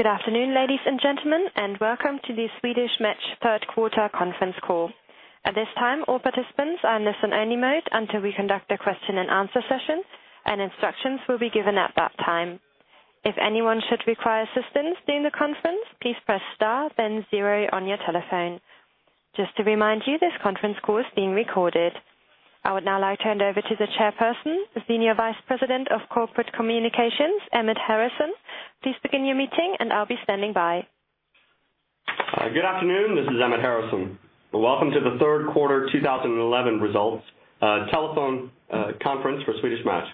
Good afternoon, ladies and gentlemen, and welcome to the Swedish Match Third Quarter Conference Call. At this time, all participants are in listen-only mode until we conduct a question-and-answer session, and instructions will be given at that time. If anyone should require assistance during the conference, please press star, then zero on your telephone. Just to remind you, this conference call is being recorded. I would now like to hand over to the Chairperson, Senior Vice President of Corporate Communications, Emmett Harrison. Please begin your meeting, and I'll be standing by. Good afternoon, this is Emmett Harrison. Welcome to the Third Quarter 2011 Results Telephone Conference for Swedish Match.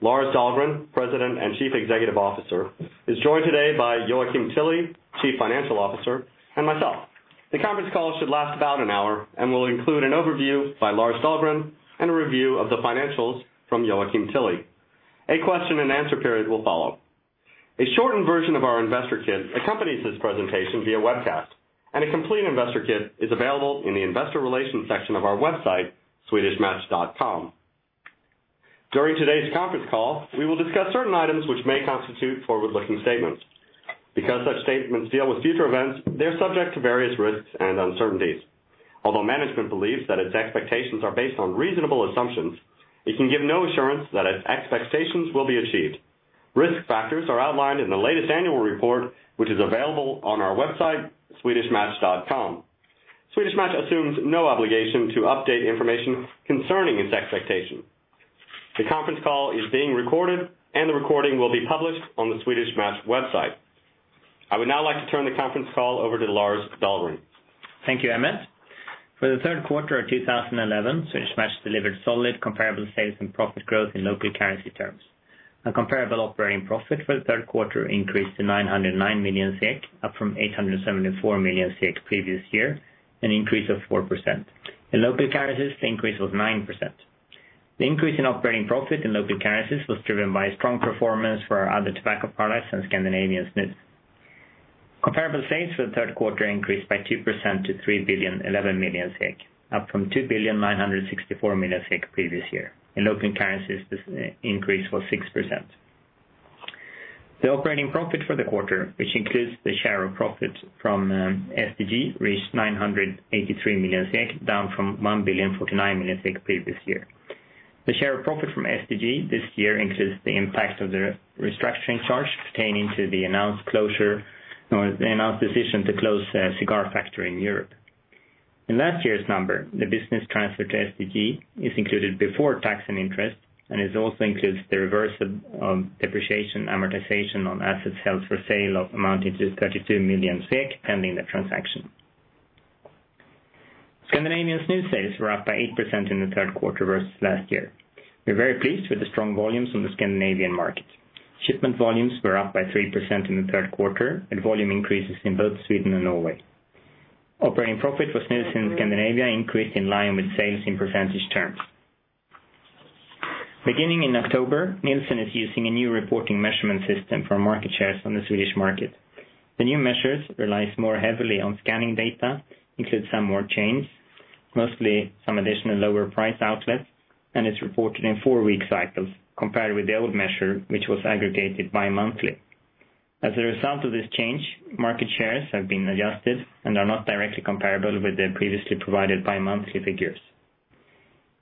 Lars Dahlgren, President and Chief Executive Officer, is joined today by Joakim Tilly, Chief Financial Officer, and myself. The conference call should last about an hour and will include an overview by Lars Dahlgren and a review of the financials from Joakim Tilly. A question-and-answer period will follow. A shortened version of our investor kit accompanies this presentation via webcast, and a complete investor kit is available in the Investor Relations section of our website, swedishmatch.com. During today's conference call, we will discuss certain items which may constitute forward-looking statements. Because such statements deal with future events, they are subject to various risks and uncertainties. Although management believes that its expectations are based on reasonable assumptions, it can give no assurance that its expectations will be achieved. Risk factors are outlined in the latest annual report, which is available on our website, swedishmatch.com. Swedish Match assumes no obligation to update information concerning its expectations. The conference call is being recorded, and the recording will be published on the Swedish Match website. I would now like to turn the conference call over to Lars Dahlgren. Thank you, Emmett. For the third quarter of 2011, Swedish Match delivered solid, comparable sales and profit growth in local currency terms. Our comparable operating profit for the third quarter increased to 909 million SEK, up from 874 million SEK the previous year, an increase of 4%. In local currencies, the increase was 9%. The increase in operating profit in local currencies was driven by strong performance for our other tobacco products and Scandinavian Snus. Comparable sales for the third quarter increased by 2% to 3,011,000,000 SEK, up from 2,964,000,000 the previous year. In local currencies, this increase was 6%. The operating profit for the quarter, which includes the share of profit from, reached 983 million SEK, down from 1,049,000,000 the previous year. The share of profit from STG this year includes the impact of the restructuring charge pertaining to the announced decision to close the cigar factory in Europe. In last year's number, the business transfer to STG is included before tax and interest and also includes the reversal of depreciation and amortization on assets held for sale amounting to 32 million SEK pending the transaction. Scandinavian Snus sales were up by 8% in the third quarter versus last year. We are very pleased with the strong volumes in the Scandinavian market. Shipment volumes were up by 3% in the third quarter, and volume increases in both Sweden and Norway. Operating profit for Snus in Scandinavia increased in line with sales in percentage terms. Beginning in October, Nielsen is using a new reporting measurement system for market shares on the Swedish market. The new measures rely more heavily on scanning data, include some more chains, mostly some additional lower price outlets, and is reported in four-week cycles compared with the old measure, which was aggregated bimonthly. As a result of this change, market shares have been adjusted and are not directly comparable with the previously provided bimonthly figures.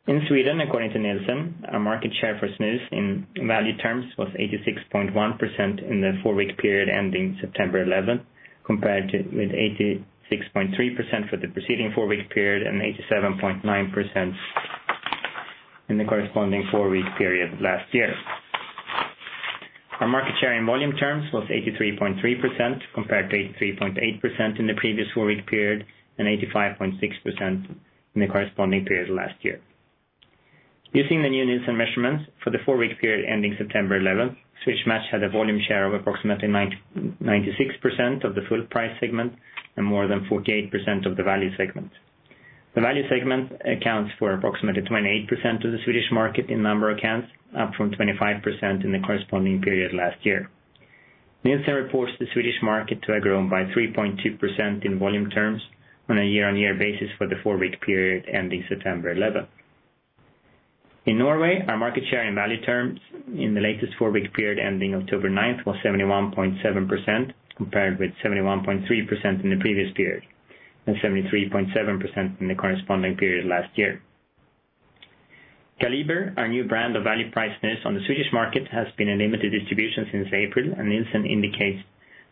In Sweden, according to Nielsen, our market share for Snus in value terms was 86.1% in the four-week period ending September 11, compared with 86.3% for the preceding four-week period and 87.9% in the corresponding four-week period last year. Our market share in volume terms was 83.3% compared to 83.8% in the previous four-week period and 85.6% in the corresponding period last year. Using the new Nielsen measurements for the four-week period ending September 11, Swedish Match had a volume share of approximately 96% of the full price segment and more than 48% of the value segment. The value segment accounts for approximately 28% of the Swedish market in number of accounts, up from 25% in the corresponding period last year. Nielsen reports the Swedish market to have grown by 3.2% in volume terms on a year-on-year basis for the four-week period ending September 11. In Norway, our market share in value terms in the latest four-week period ending October 9 was 71.7% compared with 71.3% in the previous period and 73.7% in the corresponding period last year. Caliber, our new brand of value priced Snus on the Swedish market, has been in limited distribution since April, and Nielsen indicates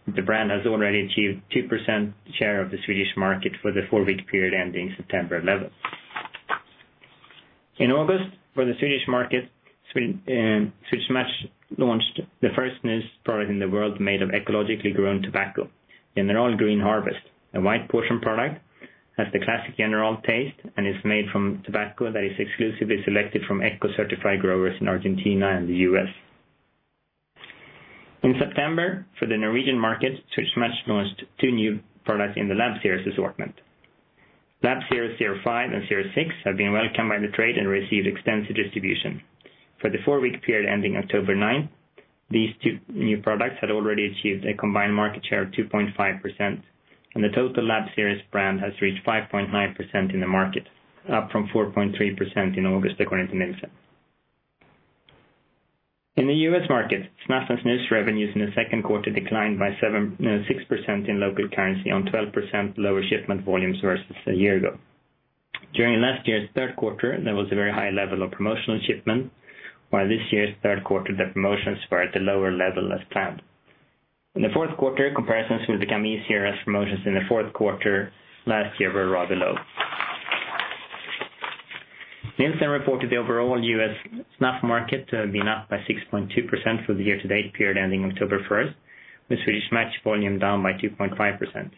that the brand has already achieved a 2% share of the Swedish market for the four-week period ending September 11. In August, for the Swedish market, Swedish Match launched the first Snus product in the world made of ecologically grown tobacco, General Green Harvest. A wide portion product has the classic General taste and is made from tobacco that is exclusively selected from eco-certified growers in Argentina and the U.S. In September, for the Norwegian market, Swedish Match launched two new products in the Lab Series assortment. Lab Series Series 5 and Series 6 have been welcomed by the trade and received extensive distribution. For the four-week period ending October 9, these two new products had already achieved a combined market share of 2.5%, and the total Lab Series brand has reached 5.9% in the market, up from 4.3% in August, according to Nielsen. In the U.S. market, Snus and Snuff revenues in the second quarter declined by 6% in local currency on 12% lower shipment volumes versus a year ago. During last year's third quarter, there was a very high level of promotional shipment, while this year's third quarter, the promotions were at a lower level as planned. In the fourth quarter, comparisons will become easier as promotions in the fourth quarter last year were rather low. Nielsen reported the overall U.S. Snuff market to have been up by 6.2% for the year-to-date period ending October 1, with Swedish Match volume down by 2.5%.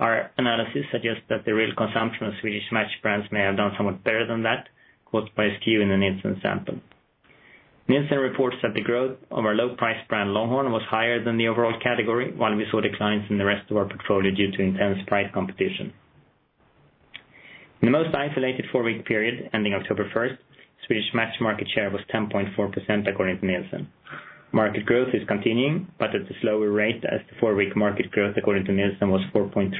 Our analysis suggests that the real consumption of Swedish Match brands may have done somewhat better than that, caused by a skew in the Nielsen sample. Nielsen reports that the growth of our low-priced brand Longhorn was higher than the overall category, while we saw declines in the rest of our portfolio due to intense price competition. In the most isolated four-week period ending October 1, Swedish Match market share was 10.4%, according to Nielsen. Market growth is continuing, but at a slower rate as the four-week market growth, according to Nielsen, was 4.3%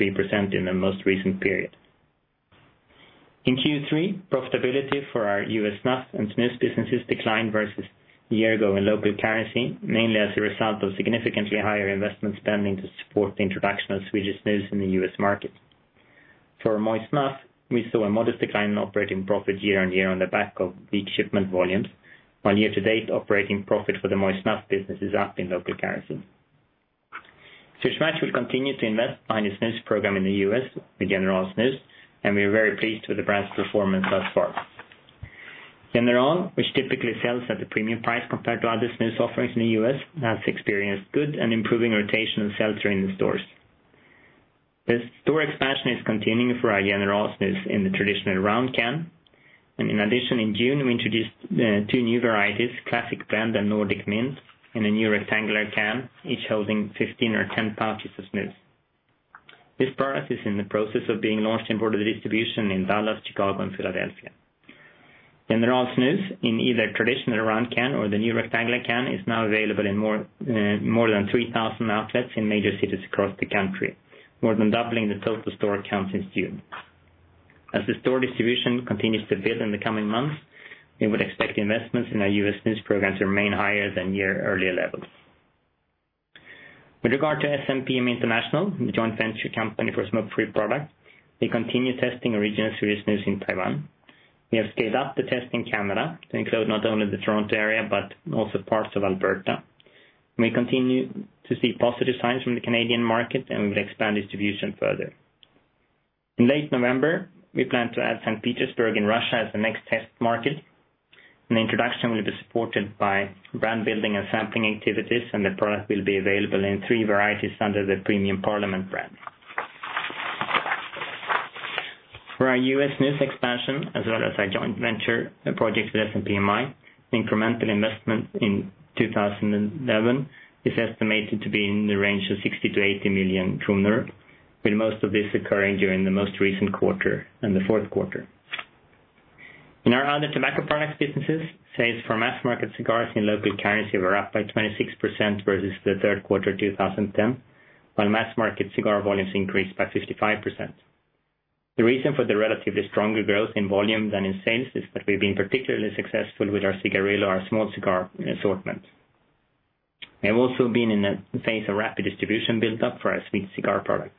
in the most recent period. In Q3, profitability for our U.S. Snuff and smoke-free businesses declined versus a year ago in local currency, mainly as a result of significantly higher investment spending to support the introduction of Swedish Match smoke-free in the U.S. market. For moist Snuff, we saw a modest decline in operating profit year on year on the back of peak shipment volumes, while year-to-date operating profit for the moist Snuff business is up in local currency. Swedish Match will continue to invest behind a smoke-free program in the U.S., the General Snus, and we are very pleased with the brand's performance thus far. General, which typically sells at a premium price compared to other smoke-free offerings in the U.S., has experienced good and improving rotation of sales during the stores. The store expansion is continuing for our General Snus in the traditional round can, and in addition, in June, we introduced two new varieties: Classic Blend and Nordic Mint, in a new rectangular can, each holding 15 or 10 pouches of Snus. This product is in the process of being launched in broader distribution in Dallas, Chicago, and Philadelphia. General Snus, in either traditional round can or the new rectangular can, is now available in more than 3,000 outlets in major cities across the country, more than doubling the total store accounts in June. As the store distribution continues to build in the coming months, we would expect investments in our U.S. smoke-free program to remain higher than year earlier levels. With regard to SMPM International, the joint venture company for smoke-free products, we continue testing original Swedish Snus in Taiwan. We have scaled up the test in Canada to include not only the Toronto area but also parts of Alberta. We continue to see positive signs from the Canadian market, and we will expand distribution further. In late November, we plan to add St. Petersburg in Russia as the next test market. The introduction will be supported by brand building and sampling activities, and the product will be available in three varieties under the premium Parliament brand. For our U.S. Snus expansion, as well as our joint venture projects with SMPM International, incremental investment in 2011 is estimated to be in the range of 60 million - 80 million kronor, with most of this occurring during the most recent quarter and the fourth quarter. In our other tobacco products businesses, sales for mass-market cigars in local currency were up by 26% versus the third quarter of 2010, while mass-market cigar volumes increased by 55%. The reason for the relatively stronger growth in volume than in sales is that we've been particularly successful with our cigarillo, our small cigar assortment. We have also been in a phase of rapid distribution buildup for our sweet cigar product.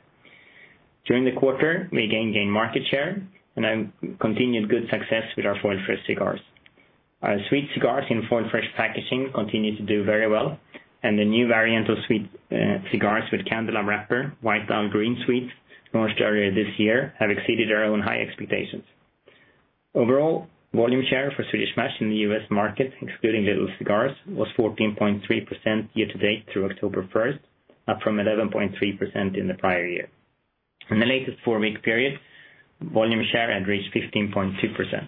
During the quarter, we again gained market share and continued good success with our foil-fresh cigars. Our sweet cigars in foil-fresh packaging continue to do very well, and the new variant of sweet cigars with candela wrapper, White Down Green Sweet, launched earlier this year, have exceeded our own high expectations. Overall, volume share for Swedish Match in the U.S. market, including little cigars, was 14.3% year to date through October 1, up from 11.3% in the prior year. In the latest four-week period, volume share had reached 15.2%.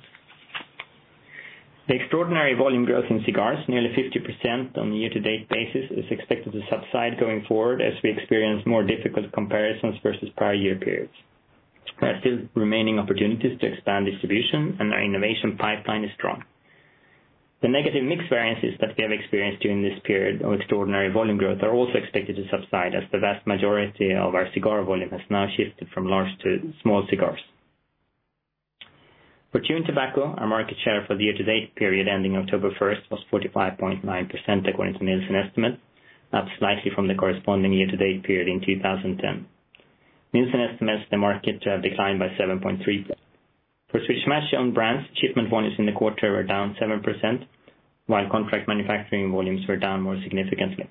The extraordinary volume growth in cigars, nearly 50% on a year-to-date basis, is expected to subside going forward as we experience more difficult comparisons versus prior year periods. There are still remaining opportunities to expand distribution, and our innovation pipeline is strong. The negative mix variances that we have experienced during this period of extraordinary volume growth are also expected to subside as the vast majority of our cigar volume has now shifted from large to small cigars. For chewing tobacco, our market share for the year-to-date period ending October 1 was 45.9%, according to Nielsen estimate, up slightly from the corresponding year-to-date period in 2010. Nielsen estimates the market to have declined by 7.3%. For Swedish Match-owned brands, shipment volumes in the quarter were down 7%, while contract manufacturing volumes were down more significantly.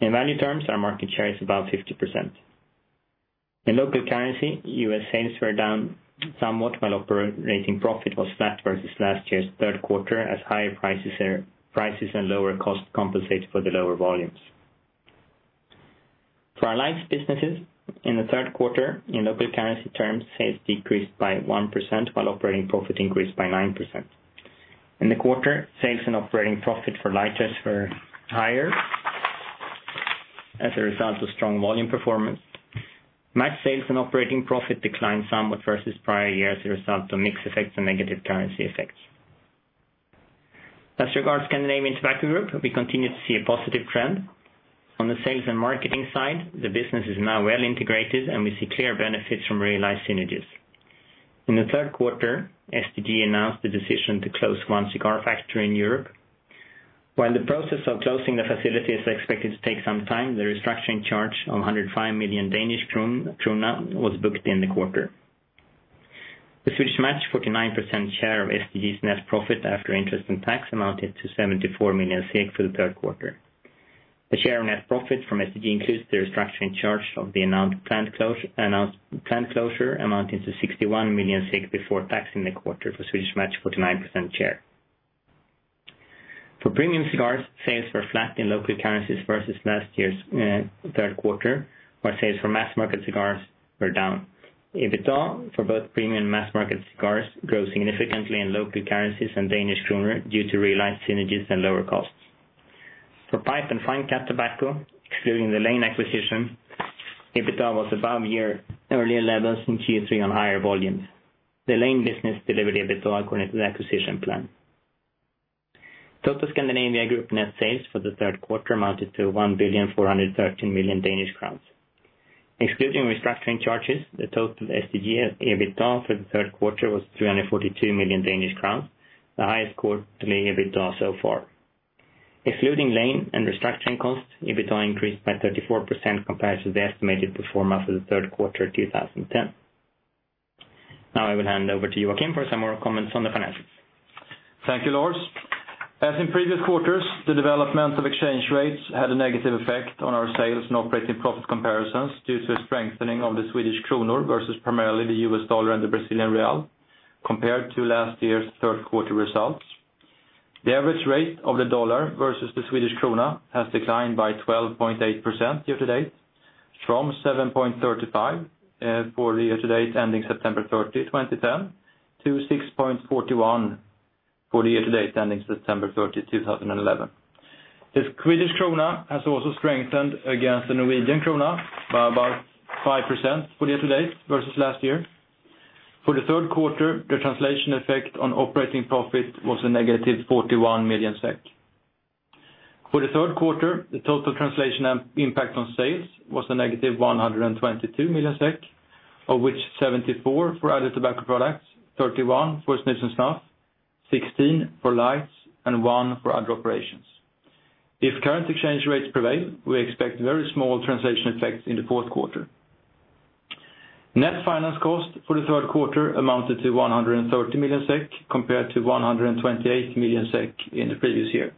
In value terms, our market share is about 50%. In local currency, U.S. sales were down somewhat while operating profit was flat versus last year's third quarter as higher prices and lower costs compensated for the lower volumes. For our lighters businesses, in the third quarter, in local currency terms, sales decreased by 1% while operating profit increased by 9%. In the quarter, sales and operating profit for lighters were higher as a result of strong volume performance. Match sales and operating profit declined somewhat versus prior year as a result of mix effects and negative currency effects. As regards to Scandinavian Tobacco Group, we continue to see a positive trend. On the sales and marketing side, the business is now well integrated, and we see clear benefits from realized synergies. In the third quarter, STG announced the decision to close one cigar factory in Europe. While the process of closing the facility is expected to take some time, the restructuring charge of 105 million Danish krone was booked in the quarter. The Swedish Match 49% share of STG's net profit after interest and tax amounted to 74 million SEK for the third quarter. The share of net profit from STG includes the restructuring charge of the announced planned closure amounting to 61 million before tax in the quarter for Swedish Match 49% share. For premium cigars, sales were flat in local currencies versus last year's third quarter, while sales for mass-market cigars were down. EBITDA for both premium and mass-market cigars grew significantly in local currencies and Danish Krone due to realized synergies and lower costs. For pipe and fine cut tobacco, excluding the Lane acquisition, EBITDA was above year earlier levels in Q3 on higher volumes. The Lane business delivered EBITDA according to the acquisition plan. Total Scandinavian Tobacco Group net sales for the third quarter amounted to 1.413 billion Danish crowns. Excluding restructuring charges, the total Scandinavian Tobacco Group EBITDA for the third quarter was 342 million Danish crowns, the highest quarterly EBITDA so far. Excluding Lane and restructuring costs, EBITDA increased by 34% compared to the estimated pro forma for the third quarter of 2010. Now I will hand over to Joakim for some more comments on the finances. Thank you, Lars. As in previous quarters, the development of exchange rates had a negative effect on our sales and operating profit comparisons due to a strengthening of the Swedish Krona versus primarily the U.S. Dollar and the Brazilian Real compared to last year's third quarter results. The average rate of the Dollar versus the Swedish Krona has declined by 12.8% year to date from 7.35 for the year to date ending September 30, 2010, to 6.41 for the year to date ending September 30, 2011. The Swedish Krona has also strengthened against the Norwegian Krona by about 5% for the year to date versus last year. For the third quarter, the translation effect on operating profit was a -41 million SEK. For the third quarter, the total translation impact on sales was a -122 million SEK, of which 74 million for other tobacco products, 31 million for Snus and moist Snuff, 16 million for lighters, and 1 million for other operations. If current exchange rates prevail, we expect very small translation effects in the fourth quarter. Net finance cost for the third quarter amounted to 130 million SEK compared to 128 million SEK in the previous year.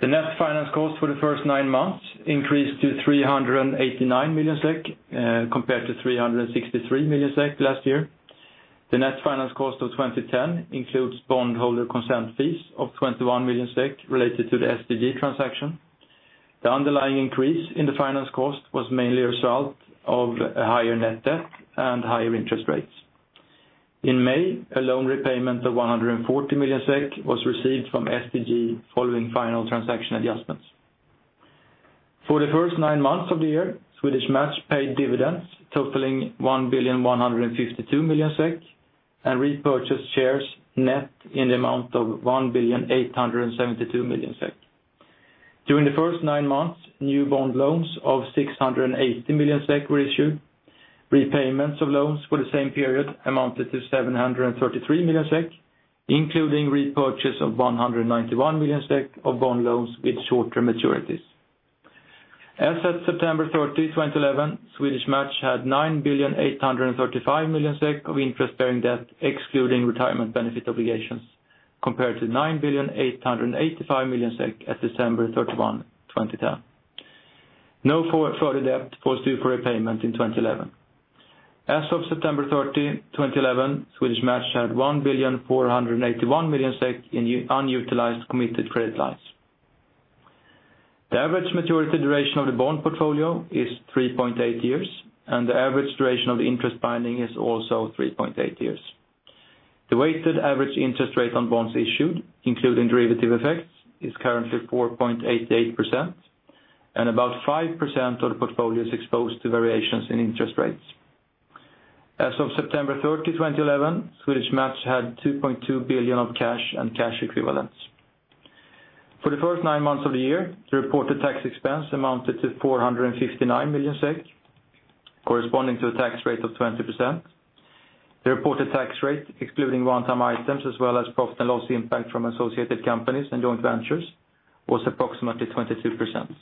The net finance cost for the first nine months increased to 389 million SEK compared to 363 million SEK last year. The net finance cost of 2010 includes bondholder consent fees of 21 million related to the STG transaction. The underlying increase in the finance cost was mainly a result of a higher net debt and higher interest rates. In May, a loan repayment of 140 million SEK was received from SGT following final transaction adjustments. For the first nine months of the year, Swedish Match paid dividends totaling 1,152,000,000 SEK and repurchased shares net in the amount of 1,872,000,000 SEK. During the first nine months, new bond loans of 680 million SEK were issued. Repayments of loans for the same period amounted to 733 million SEK, including repurchase of 191 million SEK of bond loans with shorter maturities. As of September 30, 2011, Swedish Match had 9,835,000,000 SEK of interest-bearing debt, excluding retirement benefit obligations, compared to 9,885,000,000 SEK at December 31, 2010. No further debt was due for repayment in 2011. As of September 30, 2011, Swedish Match had 1,481,000,000 in unutilized committed credit lines. The average maturity duration of the bond portfolio is 3.8 years, and the average duration of the interest binding is also 3.8 years. The weighted average interest rate on bonds issued, including derivative effects, is currently 4.88%, and about 5% of the portfolio is exposed to variations in interest rates. As of September 30, 2011, Swedish Match had 2.2 billion of cash and cash equivalents. For the first nine months of the year, the reported tax expense amounted to 459 million SEK, corresponding to a tax rate of 20%. The reported tax rate, excluding one-time items as well as profit and loss impact from associated companies and joint ventures, was approximately 22%.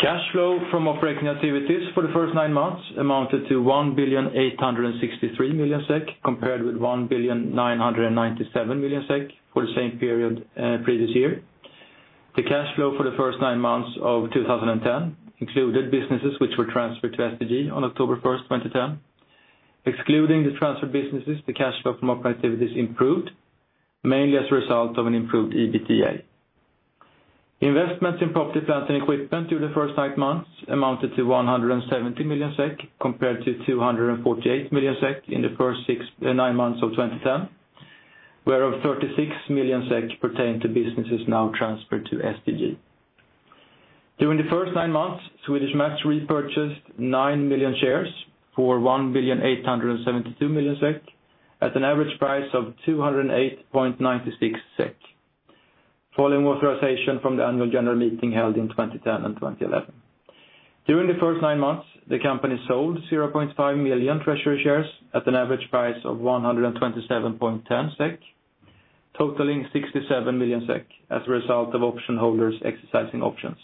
Cash flow from operating activities for the first nine months amounted to 1,863,000,000 SEK compared with 1,997,000,000 SEK for the same period previous year. The cash flow for the first nine months of 2010 included businesses which were transferred to STG on October 1st, 2010. Excluding the transferred businesses, the cash flow from operating activities improved, mainly as a result of an improved EBITDA. Investments in property, plants, and equipment during the first nine months amounted to 170 million SEK compared to 248 million SEK in the first nine months of 2010, where 36 million SEK pertained to businesses now transferred to STG. During the first nine months, Swedish Match repurchased 9 million shares for 1,872,000,000 SEK at an average price of 208.96 SEK, following authorization from the Annual General Meeting held in 2010 and 2011. During the first nine months, the company sold 0.5 million treasury shares at an average price of 127.10 SEK, totaling 67 million SEK as a result of option holders exercising options.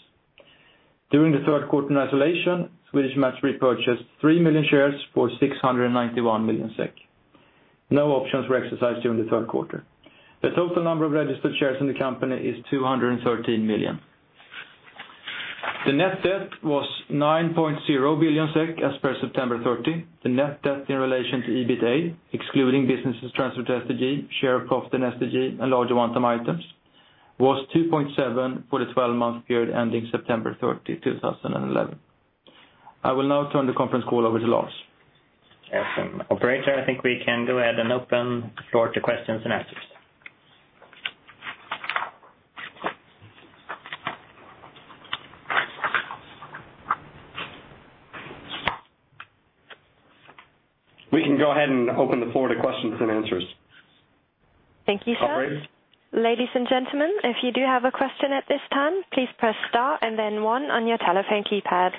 During the third quarter in isolation, Swedish Match repurchased 3 million shares for 691 million SEK. No options were exercised during the third quarter. The total number of registered shares in the company is 213 million. The net debt was 9.0 billion SEK as per September 30. The net debt in relation to EBITDA, excluding businesses transferred to STG, share of profit in STG, and larger one-time items, was 2.7 for the 12-month period ending September 30, 2011. I will now turn the conference call over to Lars. As an operator, I think we can go ahead and open the floor to questions and answers. We can go ahead and open the floor to questions and answers. Thank you, sir. Ladies and gentlemen, if you do have a question at this time, please press star and then one on your telephone keypad.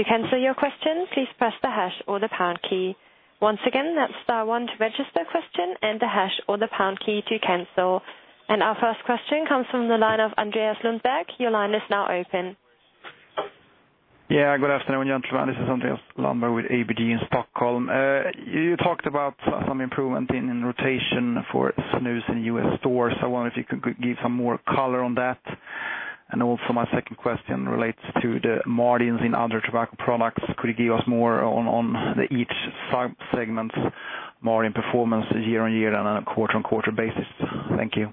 To cancel your question, please press the hash or the pound key. Once again, that's star one to register a question and the hash or the pound key to cancel. Our first question comes from the line of Andreas Lundberg. Your line is now open. Good afternoon. This is Andreas Lundberg with ABG in Stockholm. You talked about some improvement in rotation for Snus in U.S. stores. I wonder if you could give some more color on that. My second question relates to the margins in other tobacco products. Could you give us more on each subsegment's margin performance year on year and on a quarter-on-quarter basis? Thank you.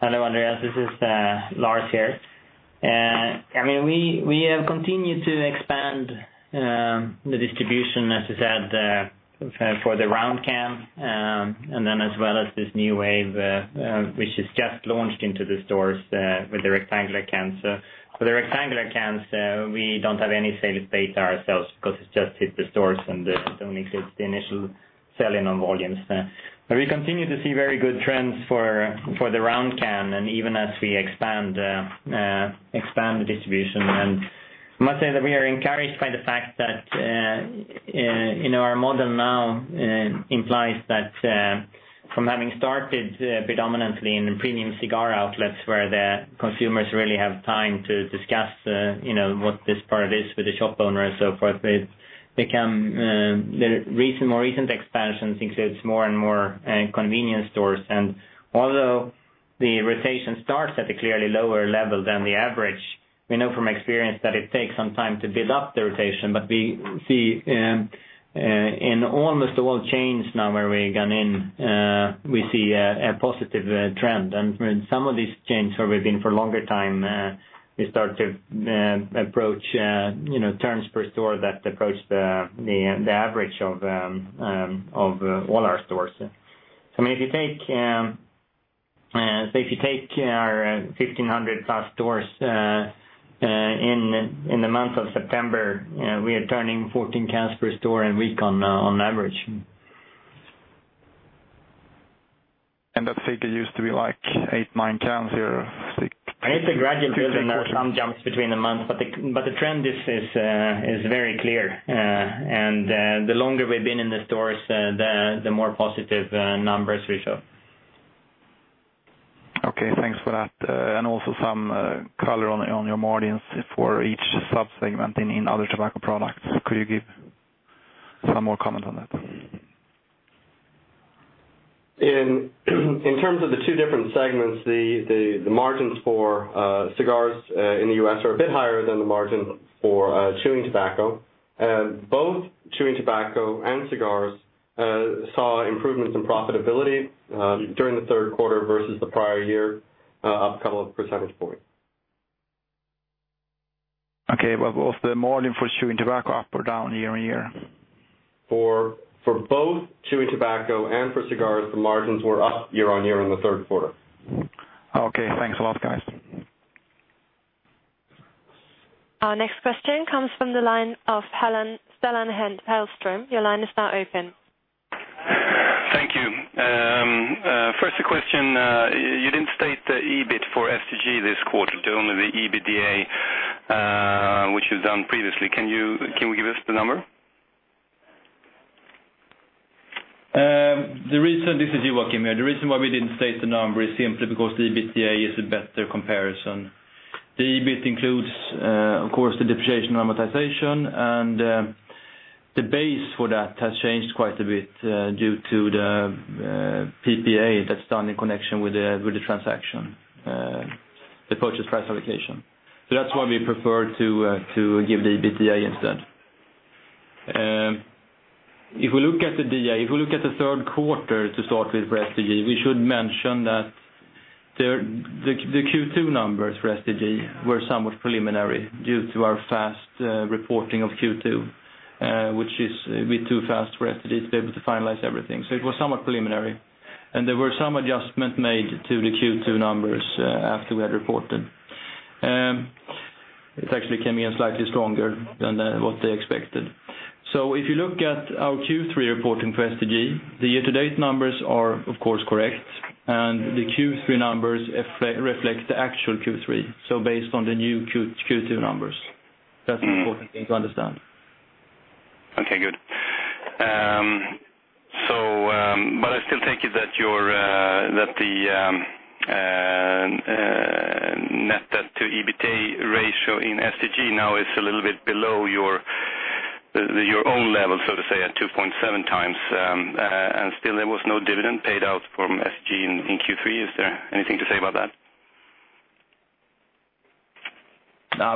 Hello, Andreas. This is Lars here. We have continued to expand the distribution, as you said, for the round can as well as this new wave, which has just launched into the stores with the rectangular cans. For the rectangular cans, we don't have any sales data ourselves because it's just hit the stores and only includes the initial selling on volumes. We continue to see very good trends for the round can even as we expand the distribution. I must say that we are encouraged by the fact that our model now implies that from having started predominantly in the premium cigar outlets where the consumers really have time to discuss what this product is with the shop owners and so forth, the more recent expansions include more and more convenience stores. Although the rotation starts at a clearly lower level than the average, we know from experience that it takes some time to build up the rotation. We see in almost all chains now where we've gone in, we see a positive trend. For some of these chains where we've been for a longer time, we start to approach turns per store that approach the average of all our stores. If you take our 1,500+ stores in the month of September, we are turning 14 cans per store a week on average. That figure used to be like 8, 9 cans? It's a gradual build-in, with some jumps between the months, but the trend is very clear. The longer we've been in the stores, the more positive numbers we show. Okay, thanks for that. Also, some color on your margins for each subsegment in other tobacco products. Could you give some more comments on that? In terms of the two different segments, the margins for cigars in the U.S. are a bit higher than the margins for chewing tobacco. Both chewing tobacco and cigars saw improvements in profitability during the third quarter versus the prior year, up a couple of percentage points. Okay, was the margin for chewing tobacco up or down year on year? For both chewing tobacco and for cigars, the margins were up year on year in the third quarter. Okay, thanks a lot, guys. Our next question comes from the line of Stellan Stellan Hellström. Your line is now open. Thank you. First, a question. You didn't state the EBIT for STG this quarter, only the EBITDA which was done previously. Can you give us the number? The reason. This is Joakim here. The reason why we didn't state the number is simply because the EBITDA is a better comparison. The EBIT includes, of course, the depreciation amortization, and the base for that has changed quite a bit due to the PPA that's done in connection with the transaction, the purchase price allocation. That's why we prefer to give the EBITDA instead. If we look at the DA, if we look at the third quarter to start with for STG, we should mention that the Q2 numbers for STG were somewhat preliminary due to our fast reporting of Q2, which is a bit too fast for STG to be able to finalize everything. It was somewhat preliminary. There were some adjustments made to the Q2 numbers after we had reported. It actually came in slightly stronger than what they expected. If you look at our Q3 reporting for STG, the year-to-date numbers are, of course, correct, and the Q3 numbers reflect the actual Q3, based on the new Q2 numbers. That's an important thing to understand. Okay, good. I still think that Debt-to-EBITDA ratio in STG now is a little bit below your own level, so to say, at 2.7x. Still, there was no dividend paid out from STG in Q3. Is there anything to say about that?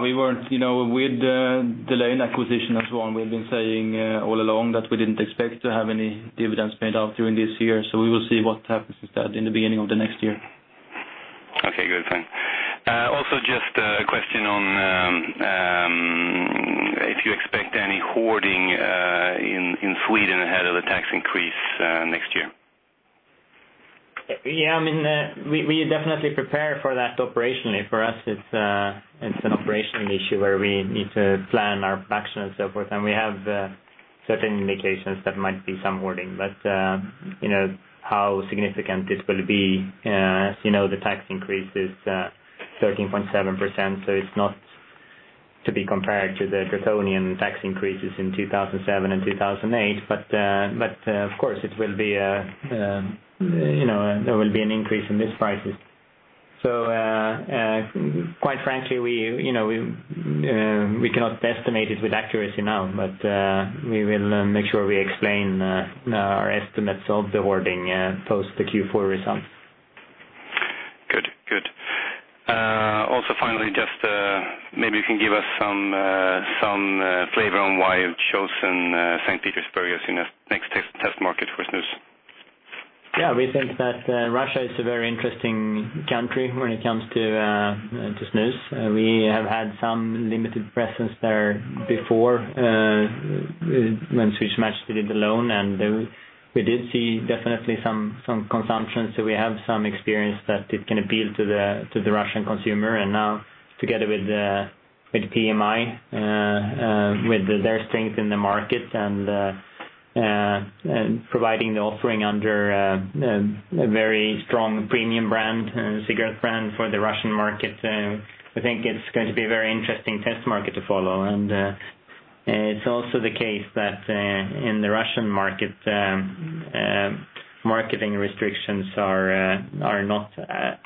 We weren't, you know, with the lane acquisition and so on, we've been saying all along that we didn't expect to have any dividends paid out during this year. We will see what happens instead in the beginning of the next year. Okay, good. Thanks. Also, just a question on if you expect any hoarding in Sweden ahead of the tax increase next year. Yeah, I mean, we definitely prepare for that operationally. For us, it's an operational issue where we need to plan our production and so forth. We have certain indications there might be some hoarding. You know how significant this will be, as you know, the tax increase is 13.7%. It's not to be compared to the draconian tax increases in 2007 and 2008. Of course, it will be an increase in this crisis. Quite frankly, we cannot estimate it with accuracy now, but we will make sure we explain our estimates of the hoarding post the Q4 result. Good, good. Also, finally, just maybe you can give us some flavor on why you've chosen St. Petersburg as your next test market for Snus. Yeah, we think that Russia is a very interesting country when it comes to Snus. We have had some limited presence there before when Swedish Match did it alone. We did see definitely some consumption, so we have some experience that it can appeal to the Russian consumer. Now, together with PMI, with their strength in the market and providing the offering under a very strong premium brand, cigarette brand for the Russian market, I think it's going to be a very interesting test market to follow. It's also the case that in the Russian market, marketing restrictions are not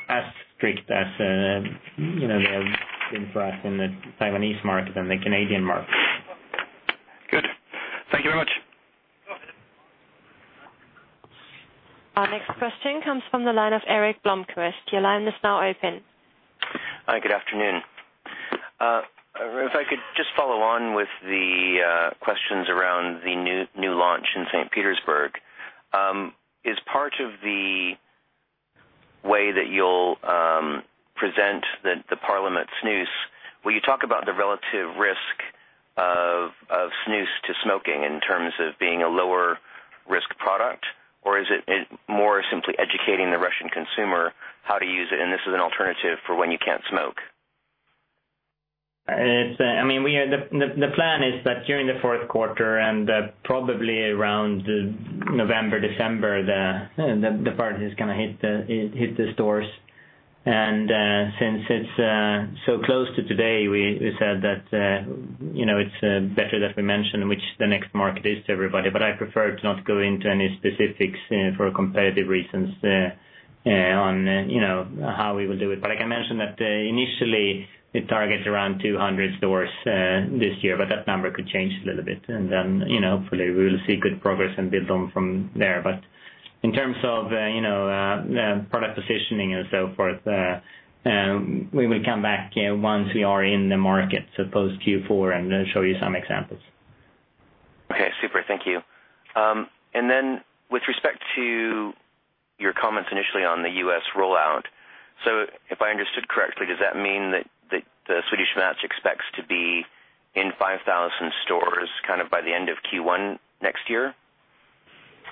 as strict as they have been for us in the Taiwanese market and the Canadian market. Good, thank you very much. Our next question comes from the line of Erik Bloomquist. Your line is now open. Hi, good afternoon. If I could just follow on with the questions around the new launch in St. Petersburg, is part of the way that you'll present the Parliament smoothie, will you talk about the relative risk of smoothie to smoking in terms of being a lower-risk product, or is it more simply educating the Russian consumer how to use it, and this is an alternative for when you can't smoke? I mean, the plan is that during the fourth quarter, probably around November or December, the product is going to hit the stores. Since it's so close to today, we said that it's better that we mention which the next market is to everybody. I prefer to not go into any specifics for competitive reasons on how we will do it. I can mention that initially, we target around 200 stores this year, but that number could change a little bit. Hopefully, we will see good progress and build on from there. In terms of product positioning and so forth, we will come back once we are in the market, so post-Q4, and show you some examples. Okay, super. Thank you. With respect to your comments initially on the U.S. rollout, if I understood correctly, does that mean that Swedish Match expects to be in 5,000 stores by the end of Q1 next year?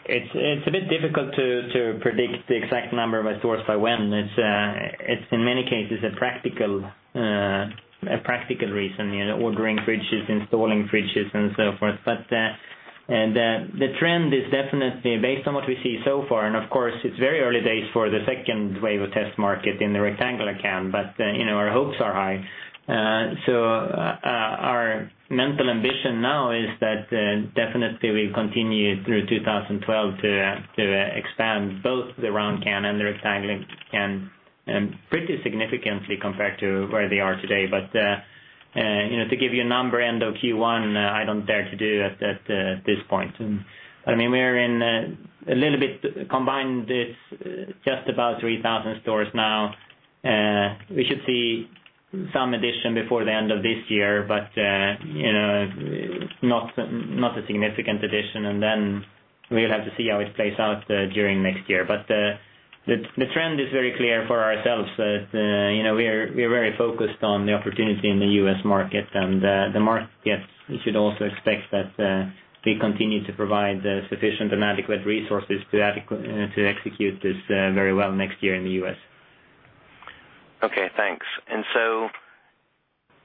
It's a bit difficult to predict the exact number of stores by when. In many cases, it's a practical reason. You're ordering fridges, installing fridges, and so forth. The trend is definitely based on what we see so far. Of course, it's very early days for the second wave of test market in the rectangular can, but our hopes are high. Our mental ambition now is that definitely we continue through 2012 to expand both the round can and the rectangular can pretty significantly compared to where they are today. To give you a number end of Q1, I don't dare to do it at this point. We're in a little bit combined. It's just about 3,000 stores now. We should see some addition before the end of this year, but not a significant addition. We'll have to see how it plays out during next year. The trend is very clear for ourselves that we're very focused on the opportunity in the U.S. market. The market should also expect that we continue to provide sufficient and adequate resources to execute this very well next year in the U.S. Okay, thanks.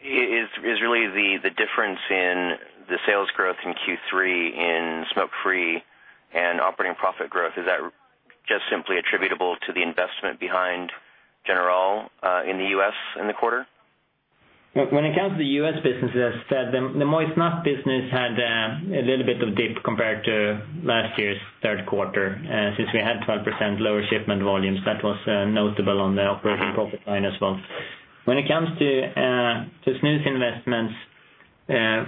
Is the difference in the sales growth in Q3 in smoke-free and operating profit growth just simply attributable to the investment behind General in the U.S. in the quarter? When it comes to the U.S. businesses, the moist Snuff business had a little bit of dip compared to last year's third quarter since we had 12% lower shipment volumes. That was notable on the operating profit line as well. When it comes to smoke-free investments,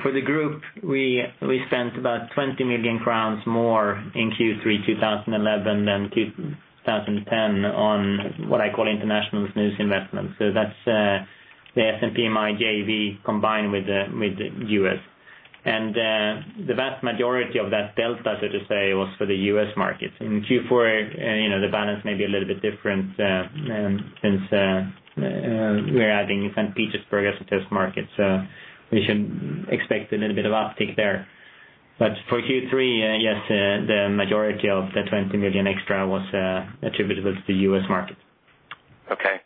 for the group, we spent about 20 million crowns more in Q3 2011 than 2010 on what I call international smoke-free investments. That is the SMPM International joint venture combined with the U.S. The vast majority of that delta, so to say, was for the U.S. market. In Q4, the balance may be a little bit different since we're adding St. Petersburg as a test market. We should expect a little bit of uptick there. For Q3, yes, the majority of the 20 million extra was attributable to the U.S. market. Okay.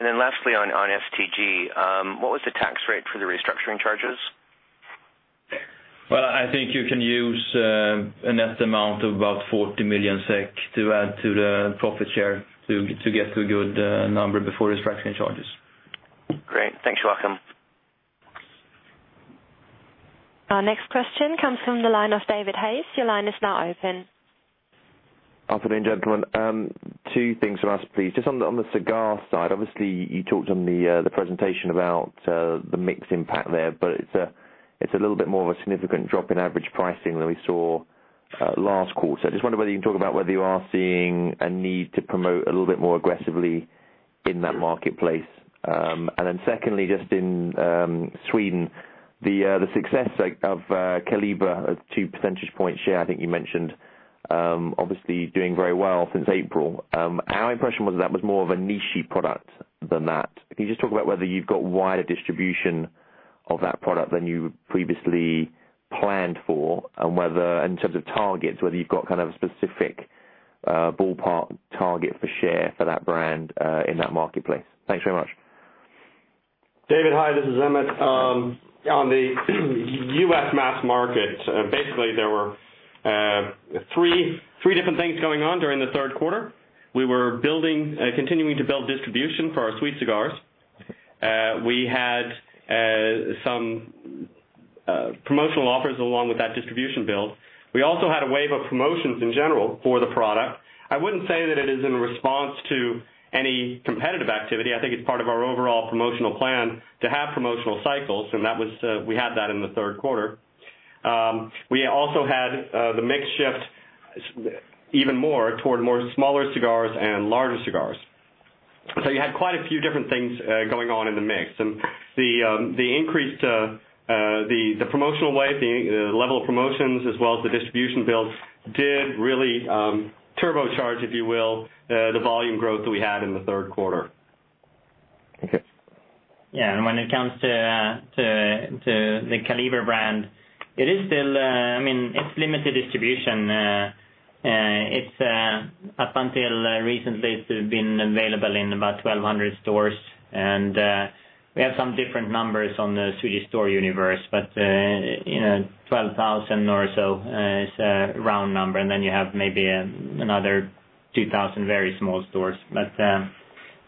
Lastly, on STG, what was the tax rate for the restructuring charges? I think you can use an estimate of about 40 million SEK to add to the profit share to get to a good number before restructuring charges. Great. Thanks, Joakim. Our next question comes from the line of David Hayes. Your line is now open. Afternoon, gentlemen. Two things from us, please. Just on the cigar side, obviously, you talked on the presentation about the mixed impact there, but it's a little bit more of a significant drop in average pricing than we saw last quarter. I just wonder whether you can talk about whether you are seeing a need to promote a little bit more aggressively in that marketplace. Secondly, just in Sweden, the success of Caliber, a 2% share, I think you mentioned, obviously doing very well since April. Our impression was that that was more of a niche product than that. Can you just talk about whether you've got wider distribution of that product than you previously planned for and whether, in terms of targets, whether you've got kind of a specific ballpark target for share for that brand in that marketplace? Thanks very much. David, hi. This is Emmett. On the U.S. mass market, basically, there were three different things going on during the third quarter. We were continuing to build distribution for our sweet cigars. We had some promotional offers along with that distribution build. We also had a wave of promotions in general for the product. I wouldn't say that it is in response to any competitive activity. I think it's part of our overall promotional plan to have promotional cycles, and we had that in the third quarter. We also had the mix shift even more toward more smaller cigars and larger cigars. You had quite a few different things going on in the mix. The increased promotional wave, the level of promotions, as well as the distribution build, did really turbocharge, if you will, the volume growth that we had in the third quarter. Okay. Yeah, and when it comes to the Caliber brand, it is still, I mean, it's limited distribution. Up until recently, it's been available in about 1,200 stores. We have some different numbers on the Swedish store universe, but 12,000 or so is a round number. Then you have maybe another 2,000 very small stores.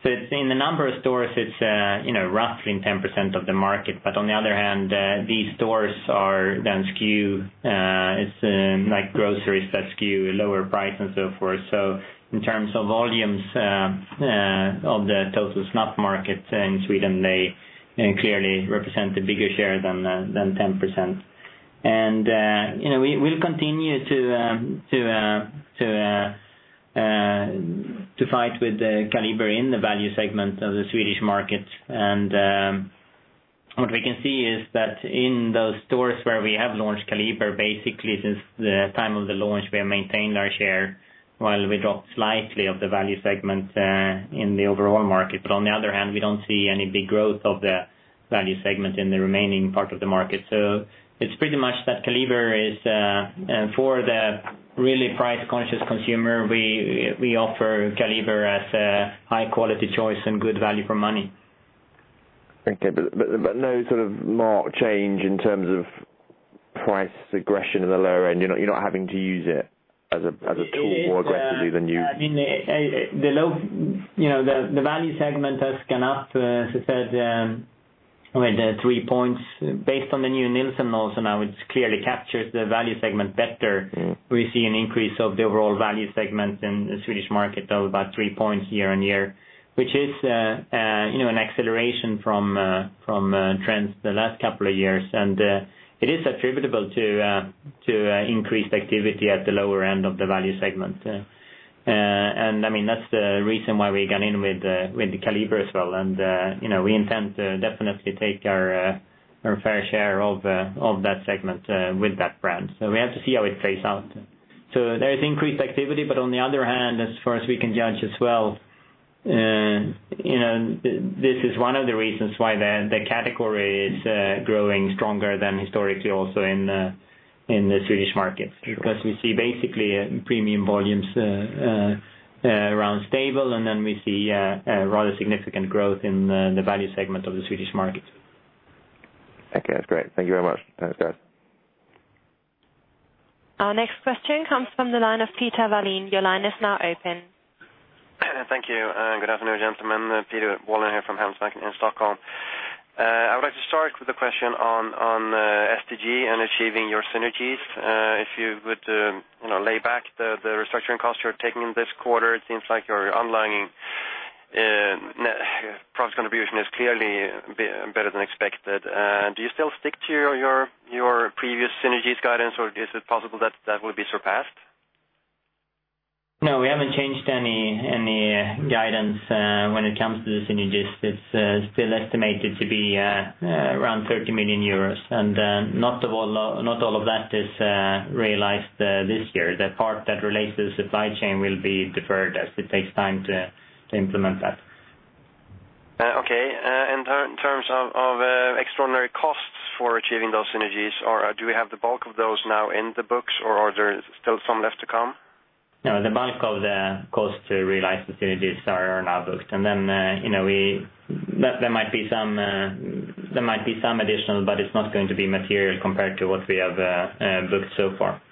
In the number of stores, it's roughly 10% of the market. On the other hand, these stores are then skewed. It's like groceries that skew a lower price and so forth. In terms of volumes of the total Snus market in Sweden, they clearly represent a bigger share than 10%. We'll continue to fight with Caliber in the value segment of the Swedish market. What we can see is that in those stores where we have launched Caliber, basically since the time of the launch, we have maintained our share while we dropped slightly of the value segment in the overall market. On the other hand, we don't see any big growth of the value segment in the remaining part of the market. It's pretty much that Caliber is for the really price-conscious consumer. We offer Caliber as a high-quality choice and good value for money. Okay, but no sort of marked change in terms of price aggression in the lower end. You're not having to use it as a tool more aggressively than you. Yeah, I mean, the value segment has gone up to, as I said, with 3 points based on the new Nielsen laws. It clearly captures the value segment better. We see an increase of the overall value segment in the Swedish market of about 3 points year on year, which is an acceleration from trends the last couple of years. It is attributable to increased activity at the lower end of the value segment. That's the reason why we got in with Caliber as well. We intend to definitely take our fair share of that segment with that brand. We have to see how it plays out. There is increased activity. On the other hand, as far as we can judge as well, this is one of the reasons why the category is growing stronger than historically also in the Swedish market because we see basically premium volumes around stable. We see a rather significant growth in the value segment of the Swedish market. Okay, that's great. Thank you very much. Thanks, guys. Our next question comes from the line of Peter Wallin. Your line is now open. Thank you. Good afternoon, gentlemen. Peter Wallin here from Handelsbanken in Stockholm. I would like to start with a question on STG and achieving your synergies. If you would lay back the restructuring costs you're taking this quarter, it seems like your online product contribution is clearly better than expected. Do you still stick to your previous synergies guidance, or is it possible that that will be surpassed? No, we haven't changed any guidance when it comes to the synergies. It's still estimated to be around 30 million euros. Not all of that is realized this year. The part that relates to the supply chain will be deferred as it takes time to implement that. Okay. In terms of extraordinary costs for achieving those synergies, do we have the bulk of those now in the books, or are there still some left to come? No, the bulk of the cost to realize the synergies are now booked. There might be some additional, but it's not going to be material compared to what we have booked so far.